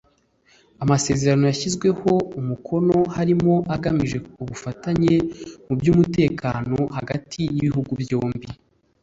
Amasezerano yashyizweho umukono harimo agamije ubufatanye mu by’umutekano hagati y’ibihugu byombi